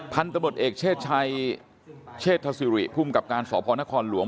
พันธมตเอกเชษชัยเชษฐศิริภูมิกับการสพนครหลวง